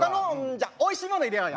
じゃあおいしいもの入れようよ。